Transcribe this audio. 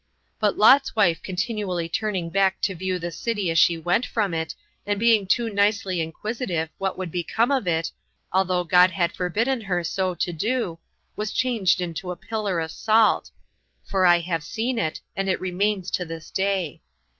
22 But Lot's wife continually turning back to view the city as she went from it, and being too nicely inquisitive what would become of it, although God had forbidden her so to do, was changed into a pillar of salt;23 for I have seen it, and it remains at this day.